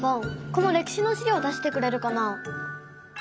この歴史のしりょう出してくれるかな？